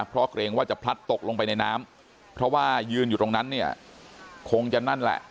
เพราะเกรงว่าจะพลัดตกลงไปในน้ำเพราะว่ายืนอยู่ตรงนั้นเนี่ยคงจะนั่นแหละ